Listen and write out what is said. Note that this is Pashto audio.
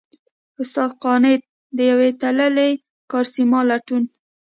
استاد قانت؛ د يوې تللې کارېسما لټون!